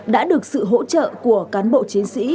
đã được sự hỗ trợ của cán bộ chiến sĩ